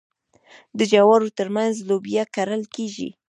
د جوارو ترمنځ لوبیا کرل کیږي.